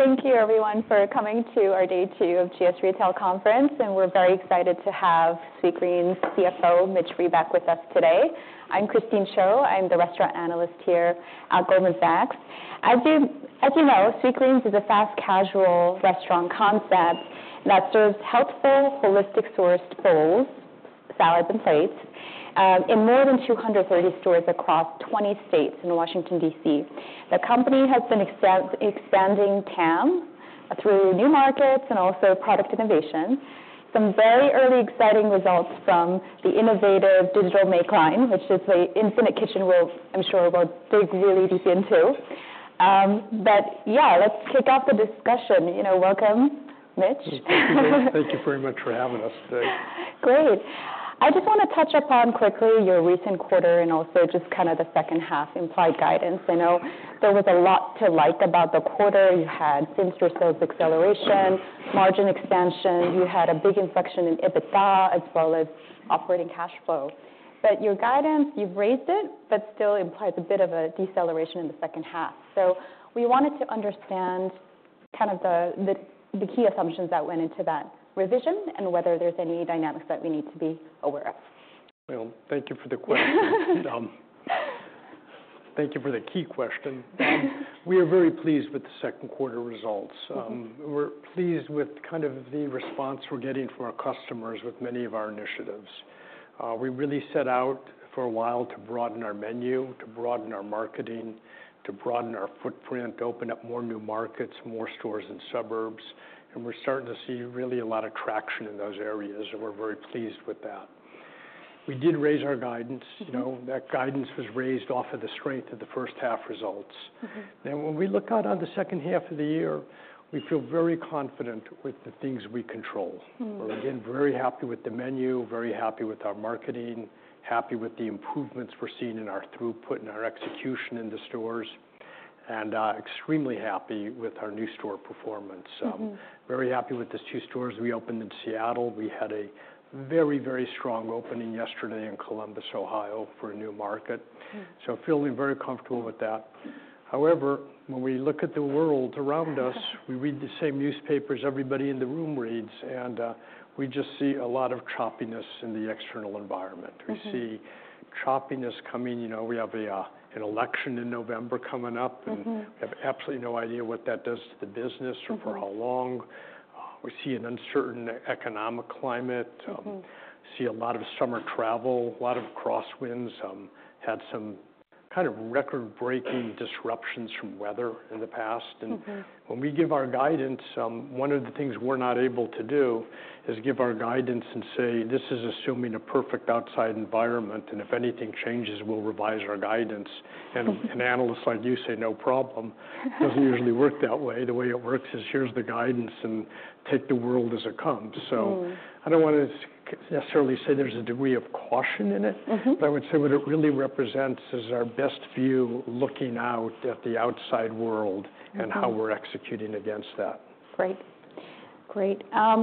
Great. Thank you everyone for coming to our day two of GS Retail Conference, and we're very excited to have Sweetgreen's CFO, Mitch Reback, with us today. I'm Christine Cho. I'm the Restaurant Analyst here at Goldman Sachs. As you know, Sweetgreen is a fast casual restaurant concept that serves healthful, holistic-sourced bowls, salads, and plates in more than 230 stores across 20 states and Washington, D.C. The company has been expanding TAM through new markets and also product innovation. Some very early exciting results from the innovative digital make line, which is an Infinite Kitchen world I'm sure we'll dig really deep into. But yeah, let's kick off the discussion. You know, welcome, Mitch. Thank you very much for having us today. Great! I just wanna touch upon quickly your recent quarter and also just kind of the second half implied guidance. I know there was a lot to like about the quarter. You had same-store sales acceleration, margin expansion. You had a big inflection in EBITDA, as well as operating cash flow. But your guidance, you've raised it, but still implies a bit of a deceleration in the second half. So we wanted to understand kind of the key assumptions that went into that revision and whether there's any dynamics that we need to be aware of. Thank you for the question. Thank you for the key question. We are very pleased with the second quarter results. Mm-hmm. We're pleased with kind of the response we're getting from our customers with many of our initiatives. We really set out for a while to broaden our menu, to broaden our marketing, to broaden our footprint, to open up more new markets, more stores and suburbs, and we're starting to see really a lot of traction in those areas, and we're very pleased with that. We did raise our guidance. Mm-hmm. You know, that guidance was raised off of the strength of the first half results. Mm-hmm. When we look out on the second half of the year, we feel very confident with the things we control. Mm-hmm. We're, again, very happy with the menu, very happy with our marketing, happy with the improvements we're seeing in our throughput and our execution in the stores, and extremely happy with our new store performance. Mm-hmm. Very happy with the two stores we opened in Seattle. We had a very, very strong opening yesterday in Columbus, Ohio, for a new market. Mm. So feeling very comfortable with that. However, when we look at the world around us- Mm-hmm.... we read the same newspapers everybody in the room reads, and we just see a lot of choppiness in the external environment. Mm-hmm. We see choppiness coming. You know, we have a, an election in November coming up. Mm-hmm... and we have absolutely no idea what that does to the business- Mm-hmm or for how long. We see an uncertain economic climate. Mm-hmm. See a lot of summer travel, a lot of crosswinds, had some kind of record-breaking disruptions from weather in the past. Mm-hmm. And when we give our guidance, one of the things we're not able to do is give our guidance and say, "This is assuming a perfect outside environment, and if anything changes, we'll revise our guidance." And analysts, like you, say, "No problem." It doesn't usually work that way. The way it works is: Here's the guidance, and take the world as it comes. Mm-hmm. I don't want to necessarily say there's a degree of caution in it. Mm-hmm. But I would say what it really represents is our best view looking out at the outside world- Mm-hmm - and how we're executing against that. Great. Great, I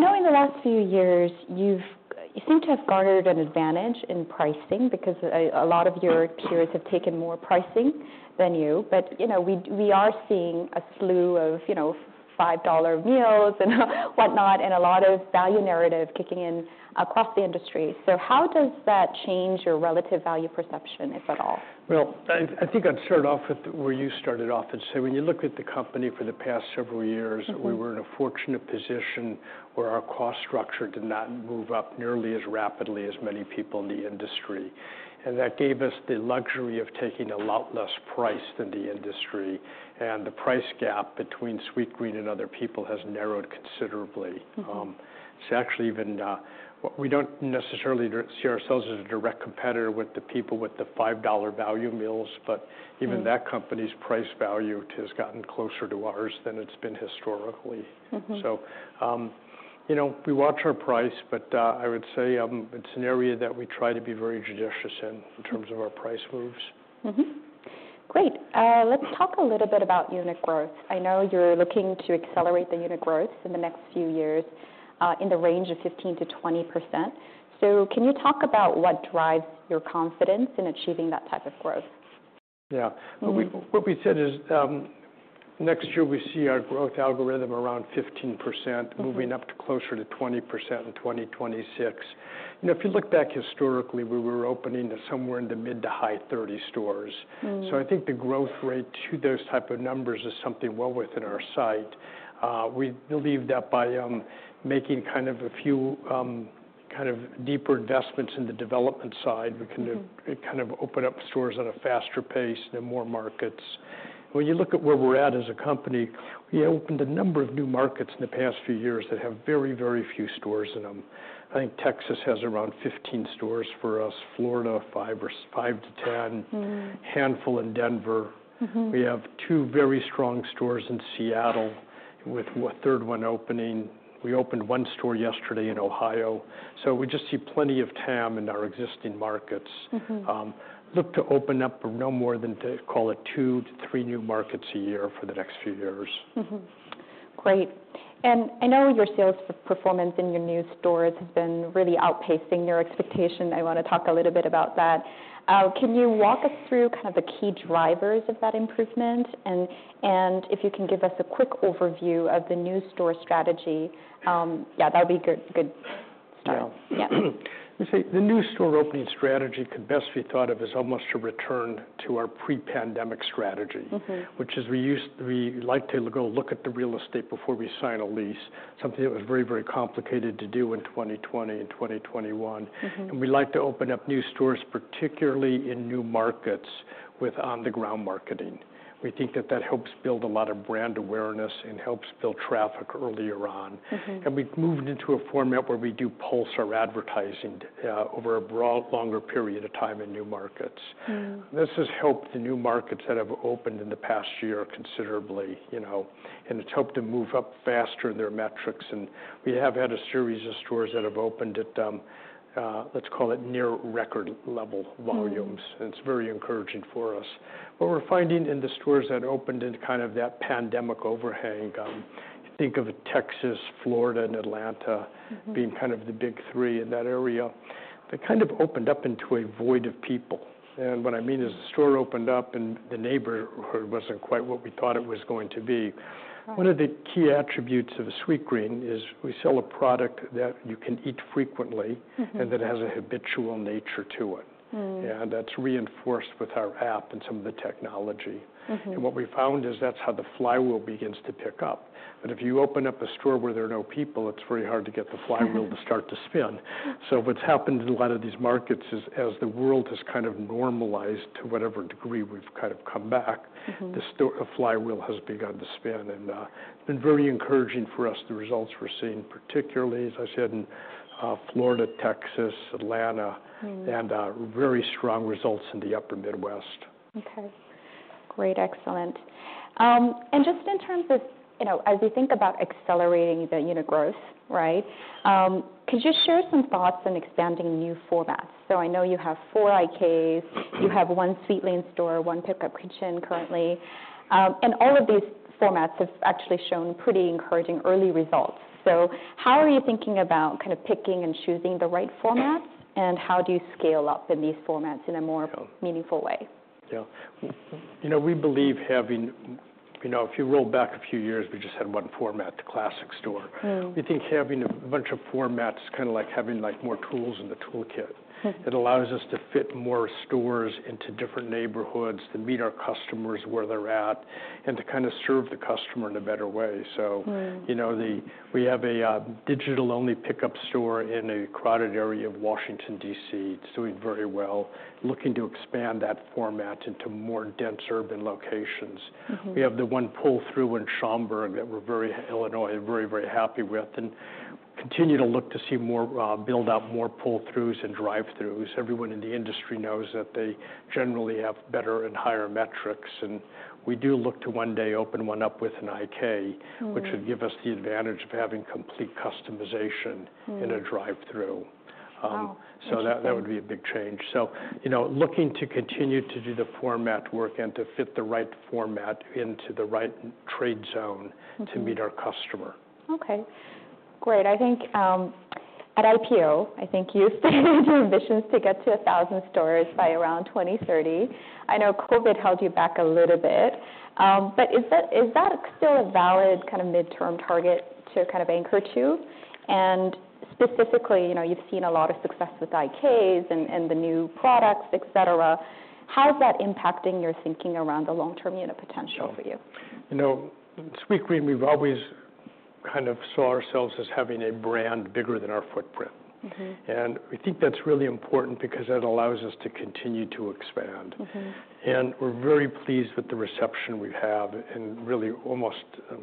know in the last few years, you seem to have garnered an advantage in pricing because a lot of your peers have taken more pricing than you. But, you know, we are seeing a slew of, you know, $5 meals and whatnot, and a lot of value narrative kicking in across the industry. So how does that change your relative value perception, if at all? Well, I think I'd start off with where you started off and say, when you look at the company for the past several years- Mm-hmm... we were in a fortunate position where our cost structure did not move up nearly as rapidly as many people in the industry, and that gave us the luxury of taking a lot less price than the industry, and the price gap between Sweetgreen and other people has narrowed considerably. Mm-hmm. It's actually even, we don't necessarily see ourselves as a direct competitor with the people with the $5 value meals, but- Mm... even that company's price value has gotten closer to ours than it's been historically. Mm-hmm. So, you know, we watch our price, but, I would say, it's an area that we try to be very judicious in terms of our price moves. Mm-hmm. Great. Let's talk a little bit about unit growth. I know you're looking to accelerate the unit growth in the next few years, in the range of 15%-20%. So can you talk about what drives your confidence in achieving that type of growth? Yeah. Mm-hmm. What we said is, next year, we see our growth algorithm around 15%. Mm-hmm... moving up to closer to 20% in 2026. You know, if you look back historically, we were opening to somewhere in the mid to high-30 stores. Mm. So I think the growth rate to those type of numbers is something well within our sight. We believe that by making kind of a few kind of deeper investments in the development side. Mm-hmm We can kind of open up stores at a faster pace in more markets. When you look at where we're at as a company, we opened a number of new markets in the past few years that have very, very few stores in them. I think Texas has around 15 stores for us. Florida, five or so, five to 10. Mm. Handful in Denver. Mm-hmm. We have two very strong stores in Seattle, with a third one opening. We opened one store yesterday in Ohio, so we just see plenty of TAM in our existing markets. Mm-hmm. Look to open up for no more than, call it two to three new markets a year for the next few years. Mm-hmm. Great. And I know your sales performance in your new stores has been really outpacing your expectation. I want to talk a little bit about that. Can you walk us through kind of the key drivers of that improvement? And if you can give us a quick overview of the new store strategy, yeah, that'd be good, good start. Yeah. You see, the new store opening strategy could best be thought of as almost a return to our pre-pandemic strategy. Mm-hmm. Which is, we like to go look at the real estate before we sign a lease, something that was very, very complicated to do in 2020 and 2021. Mm-hmm. We like to open up new stores, particularly in new markets, with on-the-ground marketing. We think that that helps build a lot of brand awareness and helps build traffic earlier on. Mm-hmm. We've moved into a format where we do pulse our advertising over a broad, longer period of time in new markets. Mm. This has helped the new markets that have opened in the past year considerably, you know, and it's helped them move up faster in their metrics, and we have had a series of stores that have opened at, let's call it near record-level volumes. Mm-hmm. It's very encouraging for us. What we're finding in the stores that opened in kind of that pandemic overhang, you think of Texas, Florida, and Atlanta- Mm-hmm... being kind of the big three in that area, they kind of opened up into a void of people. And what I mean is- Mm... the store opened up, and the neighborhood wasn't quite what we thought it was going to be. Right. One of the key attributes of Sweetgreen is we sell a product that you can eat frequently- Mm-hmm... and that has a habitual nature to it. Mm. And that's reinforced with our app and some of the technology. Mm-hmm. What we found is that's how the flywheel begins to pick up. But if you open up a store where there are no people, it's very hard to get the flywheel to start to spin. Mm-hmm. So what's happened in a lot of these markets is, as the world has kind of normalized, to whatever degree we've kind of come back- Mm-hmm... the store, flywheel has begun to spin, and, it's been very encouraging for us, the results we're seeing, particularly, as I said, in, Florida, Texas, Atlanta- Mm... and very strong results in the Upper Midwest. Okay. Great, excellent, and just in terms of, you know, as you think about accelerating the unit growth, right, could you share some thoughts on expanding new formats? So I know you have four IKs. You have one Sweetlane store, one Pickup Kitchen currently, and all of these formats have actually shown pretty encouraging early results. So how are you thinking about kind of picking and choosing the right format? And how do you scale up in these formats in a more- Yeah... meaningful way? Yeah. You know, we believe having... You know, if you roll back a few years, we just had one format, the classic store. Mm. We think having a bunch of formats is kind of like having, like, more tools in the toolkit. Mm. It allows us to fit more stores into different neighborhoods, to meet our customers where they're at, and to kind of serve the customer in a better way. So- Mm... you know, we have a digital-only pickup store in a crowded area of Washington, D.C. It's doing very well. Looking to expand that format into more dense urban locations. Mm-hmm. We have the one pull-through in Schaumburg, Illinois, that we're very, very happy with, and continue to look to see more, build out more pull-throughs and drive-throughs. Everyone in the industry knows that they generally have better and higher metrics, and we do look to one day open one up with an IK- Mm... which would give us the advantage of having complete customization- Mm... in a drive-through. Wow, interesting. So that would be a big change. So, you know, looking to continue to do the format work and to fit the right format into the right trade zone- Mm-hmm... to meet our customer. Okay, great. I think, at IPO, I think you stated your ambitions to get to a thousand stores by around 2030. I know COVID held you back a little bit, but is that, is that still a valid kind of midterm target to kind of anchor to? And specifically, you know, you've seen a lot of success with IKs and the new products, et cetera. How is that impacting your thinking around the long-term unit potential for you? You know, Sweetgreen, we've always kind of saw ourselves as having a brand bigger than our footprint. Mm-hmm. We think that's really important because that allows us to continue to expand. Mm-hmm. And we're very pleased with the reception we have and really almost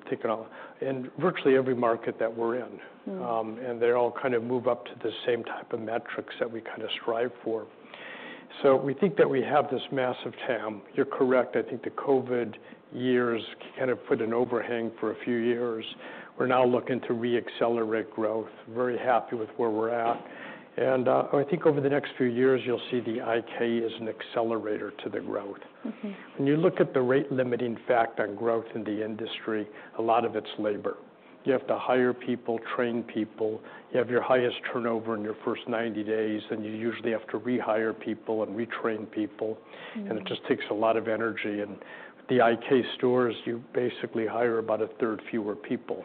taken off in virtually every market that we're in. Mm. and they all kind of move up to the same type of metrics that we kind of strive for. So we think that we have this massive TAM. You're correct. I think the COVID years kind of put an overhang for a few years. We're now looking to reaccelerate growth, very happy with where we're at, and I think over the next few years, you'll see the IK as an accelerator to the growth. Mm-hmm. When you look at the rate-limiting factor on growth in the industry, a lot of it's labor. You have to hire people, train people. You have your highest turnover in your first 90 days, then you usually have to rehire people and retrain people. Mm. It just takes a lot of energy. The IK stores, you basically hire about a third fewer people.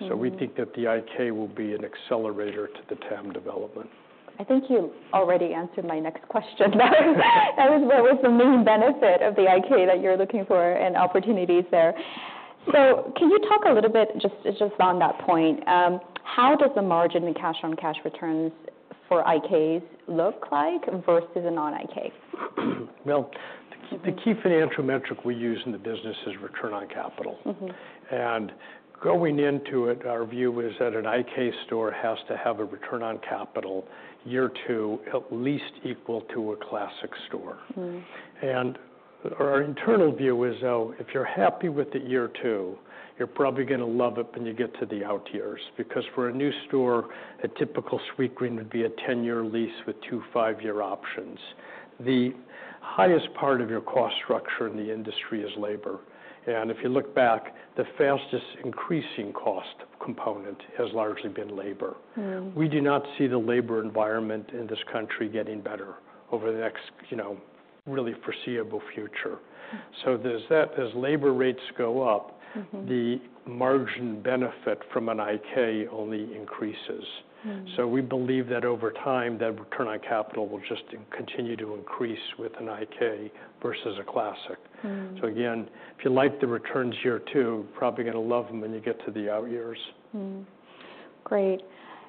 Mm-hmm. So we think that the IK will be an accelerator to the TAM development. I think you already answered my next question. That was, that was the main benefit of the IK that you're looking for and opportunities there. So can you talk a little bit, just, just on that point, how does the margin and cash-on-cash returns for IKs look like versus the non-IK? Well- Mm... the key financial metric we use in the business is return on capital. Mm-hmm. Going into it, our view is that an IK store has to have a return on capital year two, at least equal to a classic store. Mm. Our internal view is, though, if you're happy with the year two, you're probably gonna love it when you get to the out years. Because for a new store, a typical Sweetgreen would be a 10-year lease with two five-year options. The highest part of your cost structure in the industry is labor. If you look back, the fastest increasing cost component has largely been labor. Mm-hmm. We do not see the labor environment in this country getting better over the next, you know, really foreseeable future. Mm. So there's that. As labor rates go up- Mm-hmm... the margin benefit from an IK only increases. Mm. So we believe that over time, that return on capital will just continue to increase with an IK versus a classic. Mm. So again, if you like the returns here, too, probably gonna love them when you get to the out years. Mm. Great.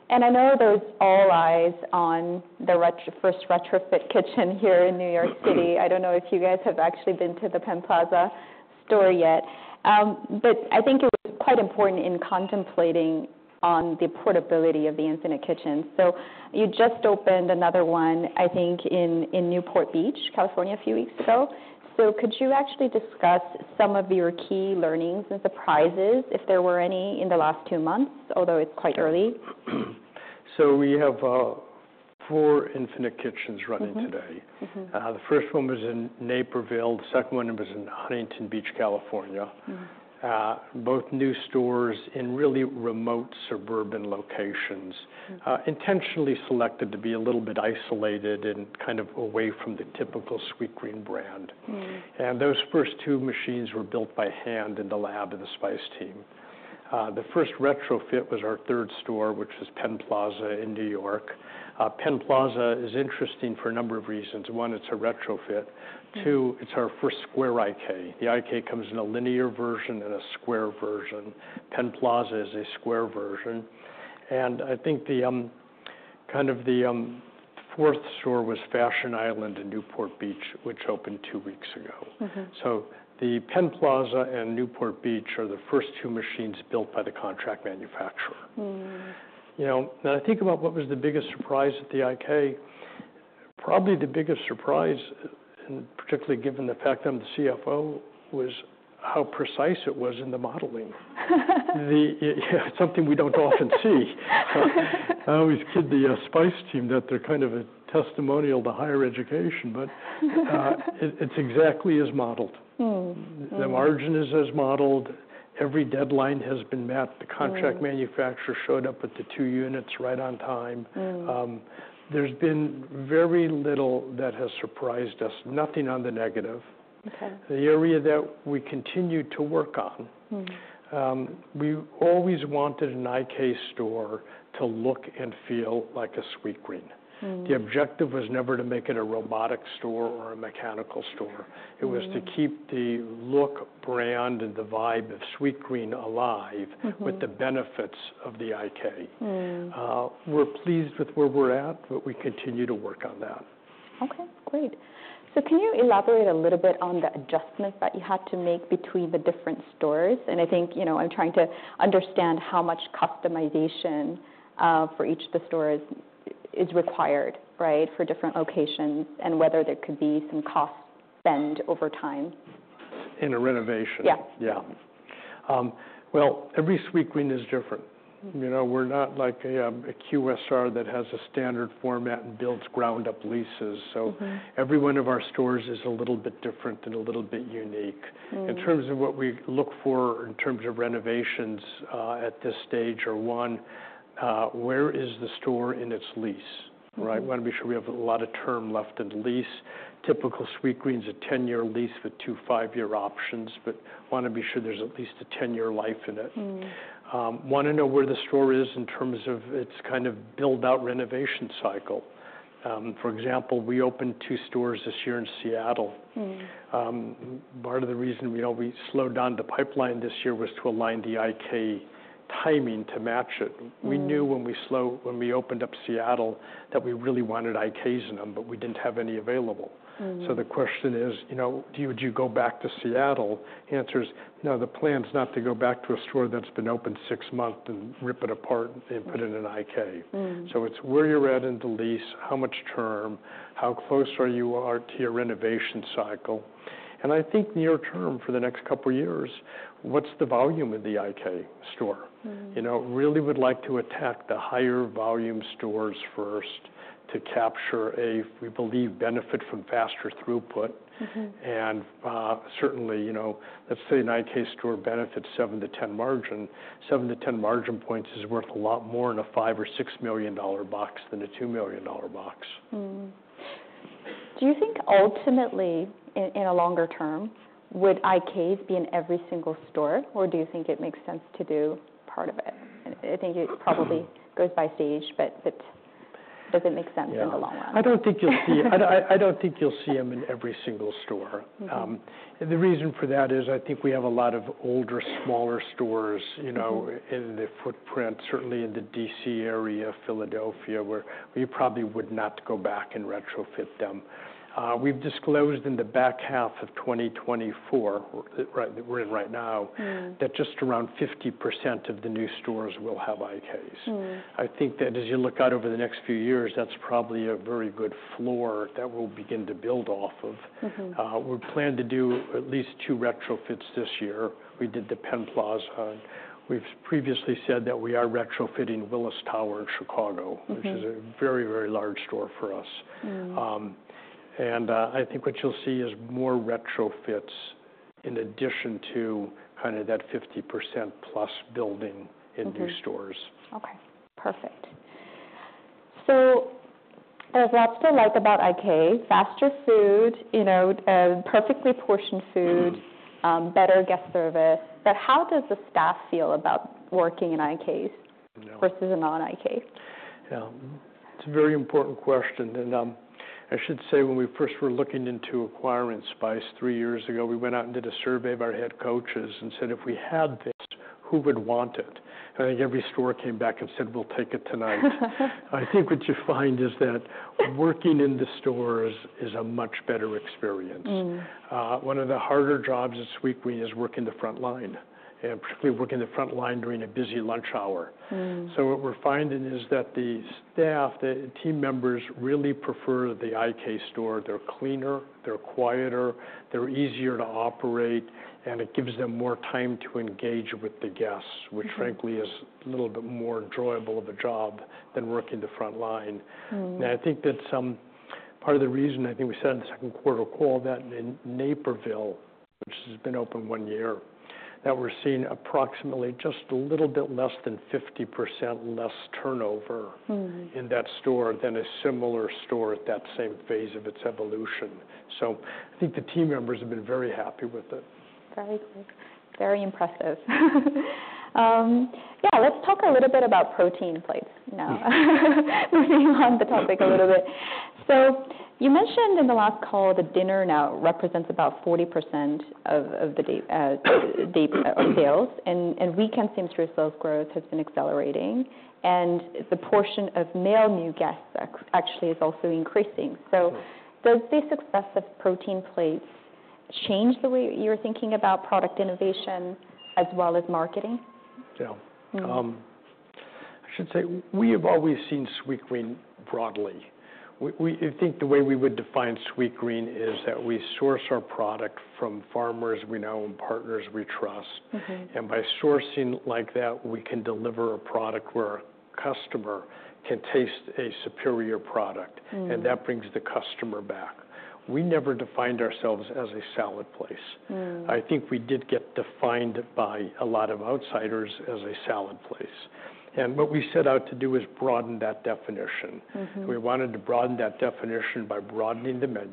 I know there's all eyes on the first retrofit kitchen here in New York City. I don't know if you guys have actually been to the Penn Plaza store yet. But I think it was quite important in contemplating on the portability of the Infinite Kitchen. So you just opened another one, I think, in Newport Beach, California, a few weeks ago. So could you actually discuss some of your key learnings and surprises, if there were any, in the last two months, although it's quite early? So we have four Infinite Kitchens running today. Mm-hmm. Mm-hmm. The first one was in Naperville, the second one was in Huntington Beach, California. Mm. Both new stores in really remote suburban locations- Mm... intentionally selected to be a little bit isolated and kind of away from the typical Sweetgreen brand. Mm. Those first two machines were built by hand in the lab of the Spyce team. The first retrofit was our third store, which was Penn Plaza in New York. Penn Plaza is interesting for a number of reasons. One, it's a retrofit. Mm. Two, it's our first square IK. The IK comes in a linear version and a square version. Penn Plaza is a square version, and I think kind of the fourth store was Fashion Island in Newport Beach, which opened two weeks ago. Mm-hmm. So the Penn Plaza and Newport Beach are the first two machines built by the contract manufacturer. Mm. You know, when I think about what was the biggest surprise at the IK, probably the biggest surprise, and particularly given the fact I'm the CFO, was how precise it was in the modeling. The... Yeah, something we don't often see. I always kid the Spyce team that they're kind of a testimonial to higher education, but it's exactly as modeled. Mm. Mm. The margin is as modeled. Every deadline has been met. Mm. The contract manufacturer showed up with the two units right on time. Mm. There's been very little that has surprised us. Nothing on the negative. Okay. The area that we continue to work on- Mm... we always wanted an IK store to look and feel like a Sweetgreen. Mm. The objective was never to make it a robotic store or a mechanical store. Mm. It was to keep the look, brand, and the vibe of Sweetgreen alive- Mm-hmm... with the benefits of the IK. Mm. We're pleased with where we're at, but we continue to work on that. Okay, great. So can you elaborate a little bit on the adjustments that you had to make between the different stores? And I think, you know, I'm trying to understand how much customization for each of the stores is required, right, for different locations, and whether there could be some cost spend over time? In a renovation? Yes. Yeah. Well, every Sweetgreen is different. You know, we're not like a, a QSR that has a standard format and builds ground-up leases. Mm-hmm. Every one of our stores is a little bit different and a little bit unique. Mm. In terms of what we look for in terms of renovations, at this stage, are: one, where is the store in its lease? Mm-hmm. Right? We wanna be sure we have a lot of term left in the lease. Typical Sweetgreen is a ten-year lease with two five-year options, but wanna be sure there's at least a 10-year life in it. Mm. Wanna know where the store is in terms of its kind of build-out renovation cycle. For example, we opened two stores this year in Seattle. Mm. Part of the reason, you know, we slowed down the pipeline this year was to align the IK timing to match it. Mm. We knew when we opened up Seattle, that we really wanted IKs in them, but we didn't have any available. Mm. So the question is, you know, do you, do you go back to Seattle? Answer is, no, the plan's not to go back to a store that's been open six months and rip it apart and put in an IK. Mm. So it's where you're at in the lease, how much term, how close are you to your renovation cycle, and I think near-term, for the next couple of years, what's the volume of the IK store? Mm. You know, really would like to attack the higher volume stores first to capture a, we believe, benefit from faster throughput. Mm-hmm. Certainly, you know, let's say an IK store benefits 7%-10% margin. 7%-10% margin points is worth a lot more in a $5 million or $6 million box than a $2 million box. Do you think ultimately, in a longer term, would IKs be in every single store, or do you think it makes sense to do part of it? I think it probably goes by stage, but does it make sense? Yeah... in the long run? I don't think you'll see them in every single store. Mm-hmm. and the reason for that is, I think we have a lot of older, smaller stores- Mm-hmm... you know, in the footprint, certainly in the D.C. area, Philadelphia, where we probably would not go back and retrofit them. We've disclosed in the back half of 2024, right, that we're in right now- Mm... that just around 50% of the new stores will have IKs. Mm. I think that as you look out over the next few years, that's probably a very good floor that we'll begin to build off of. Mm-hmm. We plan to do at least two retrofits this year. We did the Penn Plaza. We've previously said that we are retrofitting Willis Tower in Chicago- Mm-hmm... which is a very, very large store for us. Mm. I think what you'll see is more retrofits in addition to kind of that 50% plus building in new stores. Mm-hmm. Okay, perfect. So there's lots to like about IK, faster food, you know, perfectly portioned food- Mm. Better guest service. But how does the staff feel about working in IKs? Yeah... versus a non-IK? Yeah, it's a very important question, and, I should say, when we first were looking into acquiring Spyce three years ago, we went out and did a survey of our Head Coaches and said, "If we had this, who would want it?" And I think every store came back and said, "We'll take it tonight." I think what you find is that working in the stores is a much better experience. Mm. One of the harder jobs at Sweetgreen is working the front line, and particularly working the front line during a busy lunch hour. Mm. So what we're finding is that the staff, the team members, really prefer the IK store. They're cleaner, they're quieter, they're easier to operate, and it gives them more time to engage with the guests- Mm... which frankly, is a little bit more enjoyable of a job than working the front line. Mm. And I think that's part of the reason I think we said in the second quarter call, that in Naperville, which has been open one year, that we're seeing approximately just a little bit less than 50% less turnover- Mm... in that store than a similar store at that same phase of its evolution. So I think the team members have been very happy with it. Very good. Very impressive. Yeah, let's talk a little bit about Protein Plates now. Moving on the topic a little bit. So you mentioned in the last call that dinner now represents about 40% of the day sales. And weekend same-store sales growth has been accelerating, and the portion of male new guests actually is also increasing. Yeah. So does the success of Protein Plates change the way you're thinking about product innovation as well as marketing? Yeah. Mm. I should say, we have always seen Sweetgreen broadly. I think the way we would define Sweetgreen is that we source our product from farmers we know and partners we trust. Mm-hmm. By sourcing like that, we can deliver a product where a customer can taste a superior product. Mm... and that brings the customer back. We never defined ourselves as a salad place. Mm. I think we did get defined by a lot of outsiders as a salad place, and what we set out to do is broaden that definition. Mm-hmm. We wanted to broaden that definition by broadening the menu-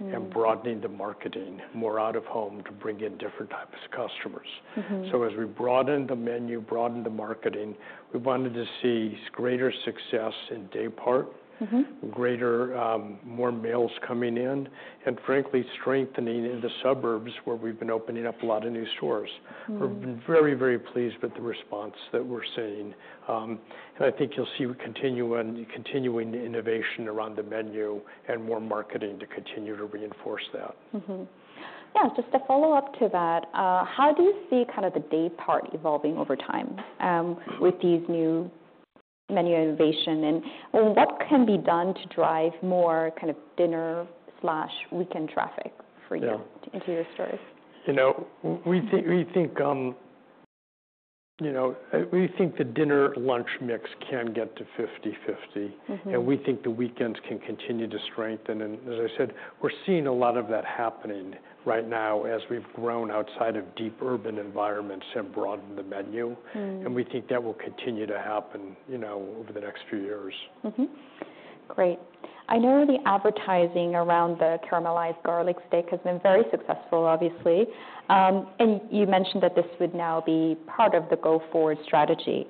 Mm... and broadening the marketing more out of home to bring in different types of customers. Mm-hmm. So as we broadened the menu, broadened the marketing, we wanted to see greater success in daypart- Mm-hmm ... greater, more males coming in, and frankly, strengthening in the suburbs, where we've been opening up a lot of new stores. Mm. We've been very, very pleased with the response that we're seeing and I think you'll see we continue on continuing the innovation around the menu and more marketing to continue to reinforce that. Mm-hmm. Yeah, just a follow-up to that, how do you see kind of the day part evolving over time? Mm... with these new menu innovation, and what can be done to drive more kind of dinner slash weekend traffic for you? Yeah... into your stores? You know, we think the dinner-lunch mix can get to 50-50. Mm-hmm. We think the weekends can continue to strengthen, and as I said, we're seeing a lot of that happening right now as we've grown outside of deep urban environments and broadened the menu. Mm. We think that will continue to happen, you know, over the next few years. Mm-hmm. Great. I know the advertising around the Caramelized Garlic Steak has been very successful, obviously. And you mentioned that this would now be part of the go-forward strategy.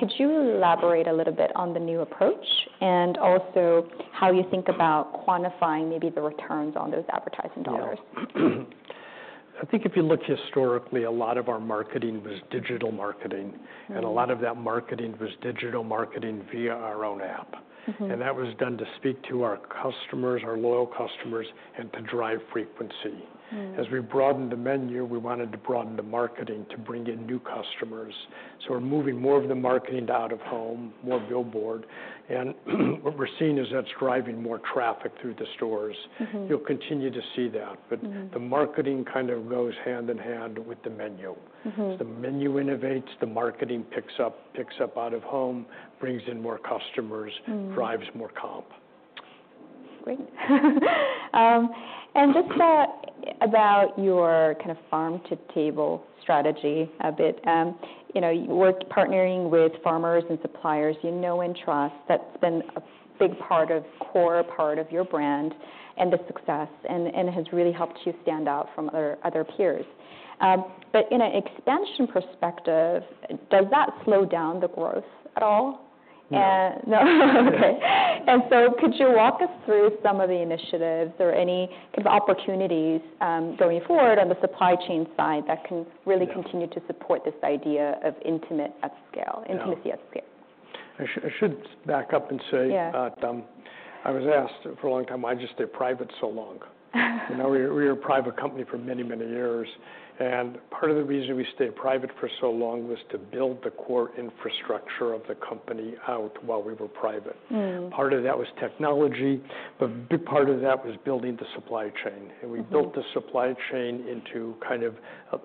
Could you elaborate a little bit on the new approach, and also how you think about quantifying maybe the returns on those advertising dollars? Yeah. I think if you look historically, a lot of our marketing was digital marketing- Mm... and a lot of that marketing was digital marketing via our own app. Mm-hmm. That was done to speak to our customers, our loyal customers, and to drive frequency. Mm. As we broadened the menu, we wanted to broaden the marketing to bring in new customers, so we're moving more of the marketing out of home, more billboard. And what we're seeing is that's driving more traffic through the stores. Mm-hmm. You'll continue to see that. Mm... but the marketing kind of goes hand in hand with the menu. Mm-hmm. As the menu innovates, the marketing picks up out of home, brings in more customers- Mm... drives more comp. Great. And just about your kind of farm-to-table strategy a bit, you know, you worked partnering with farmers and suppliers you know and trust. That's been a big part of, core part of your brand and the success and has really helped you stand out from other peers. But in an expansion perspective, does that slow down the growth at all? And- No. No? Okay. Yeah. Could you walk us through some of the initiatives or any kind of opportunities, going forward on the supply chain side that can- Yeah... really continue to support this idea of intimacy at scale- Yeah... intimacy at scale? I should back up and say- Yeah I was asked for a long time why I just stayed private so long. You know, we were a private company for many, many years, and part of the reason we stayed private for so long was to build the core infrastructure of the company out while we were private. Mm. Part of that was technology, but a big part of that was building the supply chain. Mm-hmm. And we built the supply chain into kind of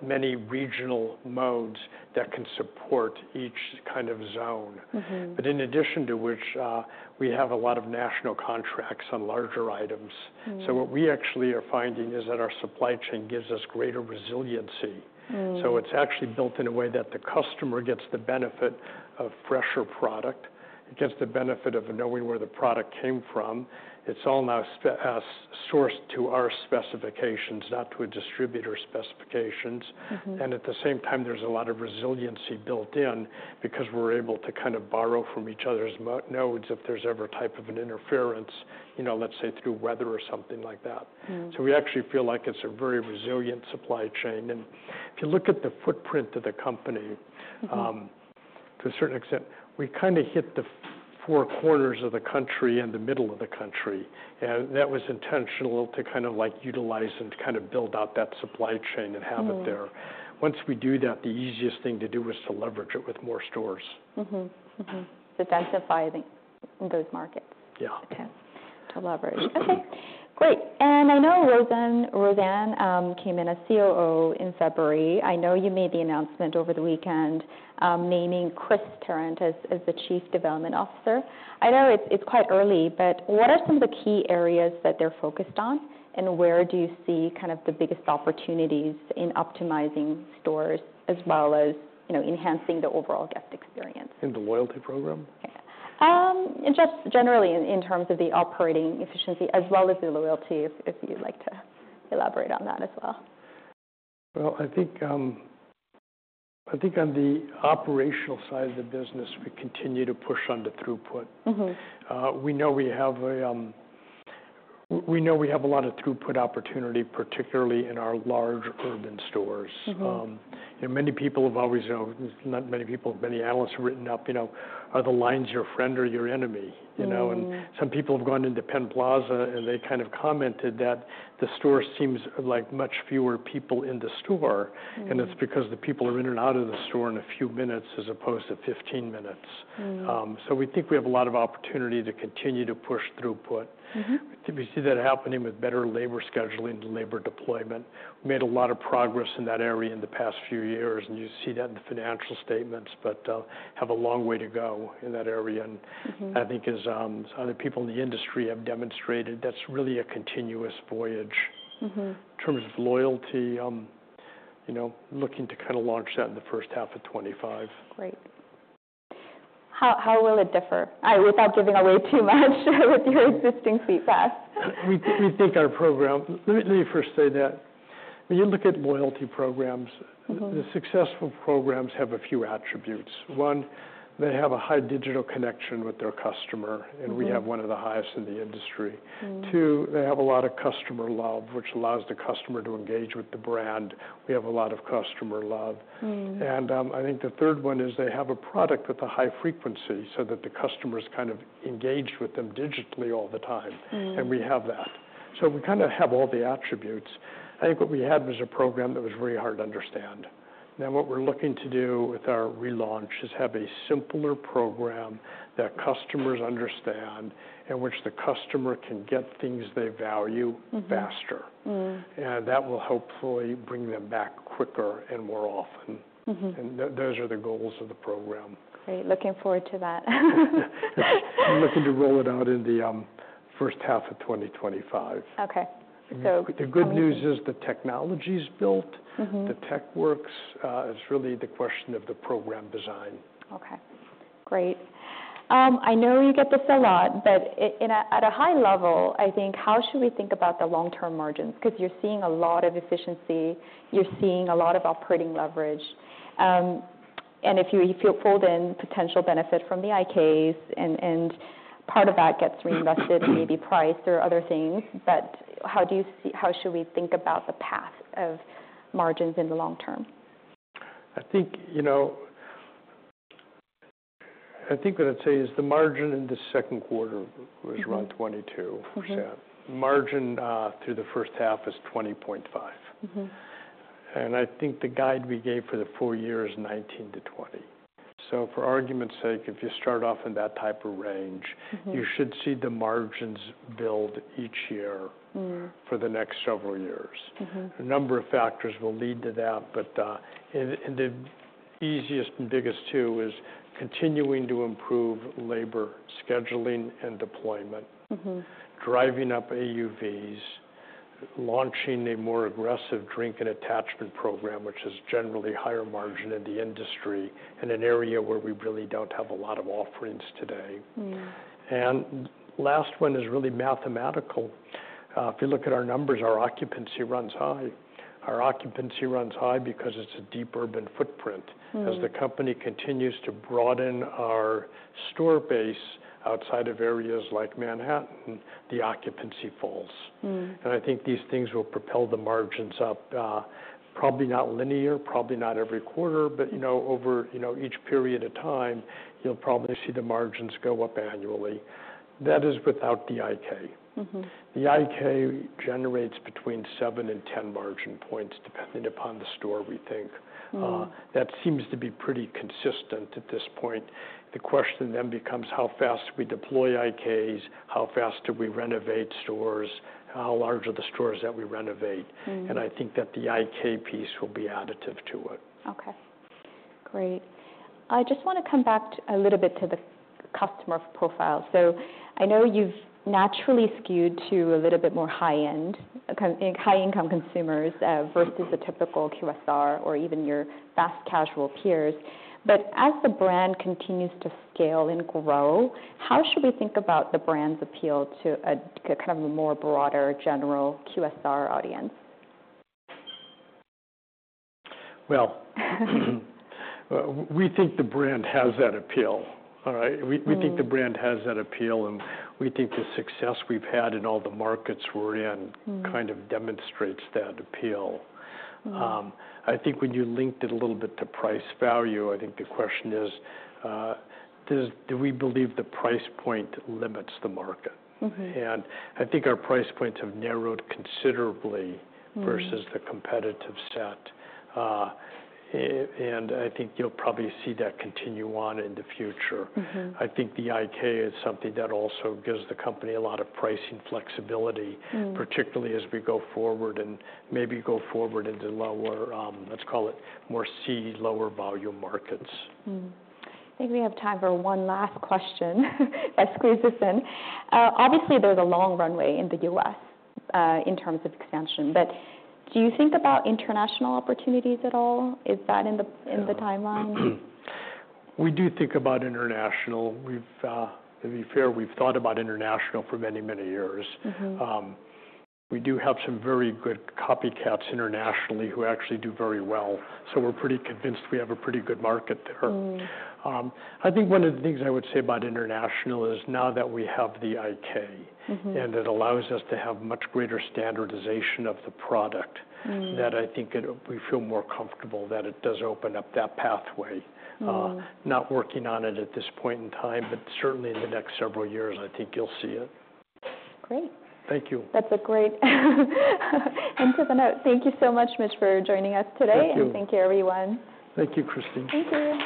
many regional modes that can support each kind of zone. Mm-hmm. But in addition to which, we have a lot of national contracts on larger items. Mm. So what we actually are finding is that our supply chain gives us greater resiliency. Mm. It's actually built in a way that the customer gets the benefit of fresher product, gets the benefit of knowing where the product came from. It's all now sourced to our specifications, not to a distributor's specifications. Mm-hmm. At the same time, there's a lot of resiliency built in, because we're able to kind of borrow from each other's nodes if there's ever a type of an interference, you know, let's say, through weather or something like that. Mm. So we actually feel like it's a very resilient supply chain. And if you look at the footprint of the company- Mm-hmm... to a certain extent, we kind of hit the four corners of the country and the middle of the country, and that was intentional to kind of, like, utilize and to kind of build out that supply chain and have it there. Mm. Once we do that, the easiest thing to do is to leverage it with more stores. Mm-hmm, mm-hmm, to densify those markets? Yeah. Okay, great! And I know Rossann came in as COO in February. I know you made the announcement over the weekend naming Chris Tarrant as the Chief Development Officer. I know it's quite early, but what are some of the key areas that they're focused on, and where do you see kind of the biggest opportunities in optimizing stores as well as, you know, enhancing the overall guest experience? In the loyalty program? In just generally in terms of the operating efficiency, as well as the loyalty, if you'd like to elaborate on that as well. I think on the operational side of the business, we continue to push on the throughput. Mm-hmm. We know we have a lot of throughput opportunity, particularly in our large urban stores. Mm-hmm. Many analysts have written up, you know, are the lines your friend or your enemy, you know? Mm. Some people have gone into Penn Plaza, and they kind of commented that the store seems like much fewer people in the store- Mm... and it's because the people are in and out of the store in a few minutes, as opposed to 15 minutes. Mm. So we think we have a lot of opportunity to continue to push throughput. Mm-hmm. We see that happening with better labor scheduling and labor deployment. We made a lot of progress in that area in the past few years, and you see that in the financial statements, but, have a long way to go in that area, and- Mm-hmm... I think as, other people in the industry have demonstrated, that's really a continuous voyage. Mm-hmm. In terms of loyalty, you know, looking to kind of launch that in the first half of 2025. Great. How will it differ? Without giving away too much with your existing feedback? We think our program. Let me first say that when you look at loyalty programs- Mm-hmm... the successful programs have a few attributes. One, they have a high digital connection with their customer- Mm-hmm... and we have one of the highest in the industry. Mm. Two, they have a lot of customer love, which allows the customer to engage with the brand. We have a lot of customer love. Mm. I think the third one is they have a product with a high frequency, so that the customer's kind of engaged with them digitally all the time. Mm. We have that. We kind of have all the attributes. I think what we had was a program that was very hard to understand. Now, what we're looking to do with our relaunch is have a simpler program that customers understand, in which the customer can get things they value- Mm-hmm... faster. Mm. That will hopefully bring them back quicker and more often. Mm-hmm. And those are the goals of the program. Great. Looking forward to that. Yeah. We're looking to roll it out in the first half of 2025. Okay, so- The good news is the technology's built. Mm-hmm. The tech works. It's really the question of the program design. Okay, great. I know you get this a lot, but in a, at a high level, I think, how should we think about the long-term margins? 'Cause you're seeing a lot of efficiency, you're seeing a lot of operating leverage. And if you, if you pulled in potential benefit from the IK's, and, and part of that gets reinvested, maybe price or other things, but how do you see, how should we think about the path of margins in the long term? I think, you know, I think what I'd say is the margin in the second quarter- Mm-hmm... was around 22%. Mm-hmm. Margin through the first half is 20.5%. Mm-hmm. I think the guide we gave for the full year is 19%-20%. For argument's sake, if you start off in that type of range- Mm-hmm... you should see the margins build each year- Mm... for the next several years. Mm-hmm. A number of factors will lead to that, but and the easiest and biggest, too, is continuing to improve labor scheduling and deployment. Mm-hmm. Driving up AUVs, launching a more aggressive drink and attachment program, which is generally higher margin in the industry, in an area where we really don't have a lot of offerings today. Mm. And last one is really mathematical. If you look at our numbers, our occupancy runs high. Our occupancy runs high because it's a deep urban footprint. Mm. As the company continues to broaden our store base outside of areas like Manhattan, the occupancy falls. Mm. And I think these things will propel the margins up, probably not linear, probably not every quarter, but, you know, over, you know, each period of time, you'll probably see the margins go up annually. That is without the IK. Mm-hmm. The IK generates between seven and ten margin points, depending upon the store mix. That seems to be pretty consistent at this point. The question then becomes: how fast do we deploy IKs? How fast do we renovate stores? How large are the stores that we renovate? Mm. I think that the IK piece will be additive to it. Okay. Great. I just wanna come back to a little bit to the customer profile. So I know you've naturally skewed to a little bit more high-end kind of high-income consumers versus the typical QSR or even your fast casual peers. But as the brand continues to scale and grow, how should we think about the brand's appeal to a kind of a more broader general QSR audience? We think the brand has that appeal, all right? Mm. We think the brand has that appeal, and we think the success we've had in all the markets we're in- Mm... kind of demonstrates that appeal. Mm. I think when you linked it a little bit to price value, I think the question is, do we believe the price point limits the market? Mm-hmm. I think our price points have narrowed considerably. Mm... versus the competitive set, and I think you'll probably see that continue on in the future. Mm-hmm. I think the IK is something that also gives the company a lot of pricing flexibility- Mm... particularly as we go forward and maybe go forward into lower, let's call it more C, lower volume markets. I think we have time for one last question, let's squeeze this in. Obviously, there's a long runway in the U.S., in terms of expansion, but do you think about international opportunities at all? Is that in the- Yeah... in the timeline? We do think about international. We've, to be fair, we've thought about international for many, many years. Mm-hmm. We do have some very good copycats internationally, who actually do very well, so we're pretty convinced we have a pretty good market there. Mm. I think one of the things I would say about international is now that we have the IK- Mm-hmm... and it allows us to have much greater standardization of the product- Mm... that we feel more comfortable that it does open up that pathway. Mm. Not working on it at this point in time, but certainly in the next several years, I think you'll see it. Great. Thank you. That's a great end to the note. Thank you so much, Mitch, for joining us today. Thank you. Thank you, everyone. Thank you, Christine. Thank you.